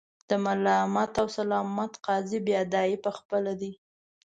د ملامت او سلامت قاضي بیا دای په خپله دی.